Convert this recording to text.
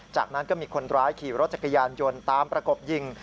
จากนั้นก็มีคนร้ายขี่รถจักรยานยนต์ตามประกบยิง